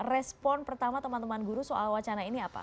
respon pertama teman teman guru soal wacana ini apa